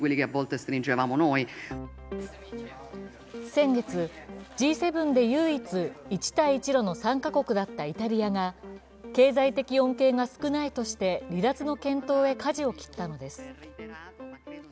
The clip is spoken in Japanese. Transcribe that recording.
先月、Ｇ７で唯一一帯一路の参加国だったイタリアが経済的恩恵が少ないとして離脱の検討へかじを切ったのです。